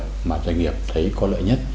các doanh nghiệp thấy có lợi nhất